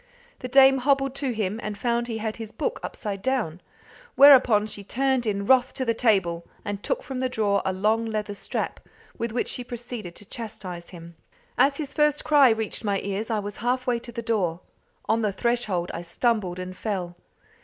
The dame hobbled to him, and found he had his book upside down; whereupon she turned in wrath to the table, and took from the drawer a long leather strap, with which she proceeded to chastise him. As his first cry reached my ears I was halfway to the door. On the threshold I stumbled and fell.